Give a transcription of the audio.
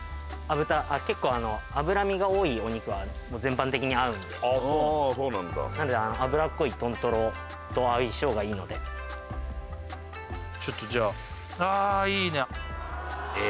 結構脂身が多いお肉は全般的に合うんでああそうああそうなんだなので脂っこい豚トロと相性がいいのでちょっとじゃあああいいねえ